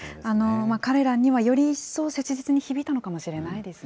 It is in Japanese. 彼らにはより一層、切実に響いたのかもしれないですね。